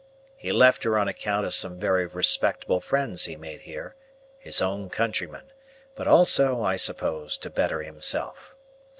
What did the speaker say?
He left her on account of some very respectable friends he made here, his own countrymen, but also, I suppose, to better himself.